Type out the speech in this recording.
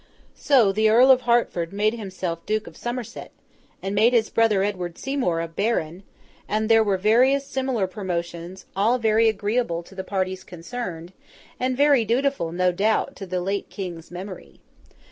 So, the Earl of Hertford made himself Duke of Somerset, and made his brother Edward Seymour a baron; and there were various similar promotions, all very agreeable to the parties concerned, and very dutiful, no doubt, to the late King's memory.